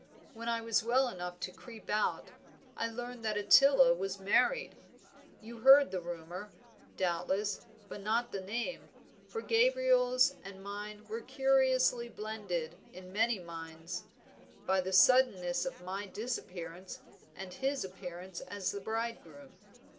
When I was well enough to creep out, I learned that Ottila was married. You heard the rumor, doubtless, but not the name, for Gabriel's and mine were curiously blended in many minds by the suddenness of my disappearance and his appearance as the bridegroom.